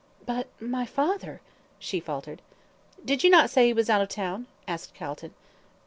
"But my father," she faltered. "Did you not say he was out of town?" asked Calton.